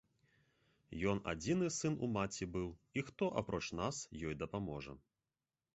Ён адзіны сын у маці быў, і хто, апроч нас, ёй дапаможа?